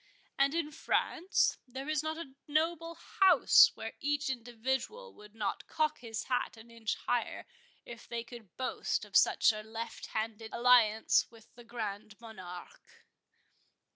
And in France, there is not a noble house, where each individual would not cock his hat an inch higher, if they could boast of such a left handed alliance with the Grand Monarque."